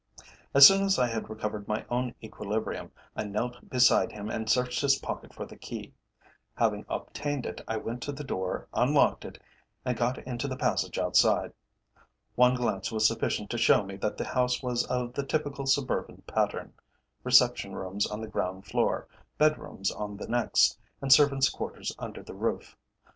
As soon as I had recovered my own equilibrium, I knelt beside him and searched his pocket for the key. Having obtained it, I went to the door, unlocked it, and got into the passage outside. One glance was sufficient to show me that the house was of the typical suburban pattern: reception rooms on the ground floor, bed rooms on the next, and servants' quarters under the roof.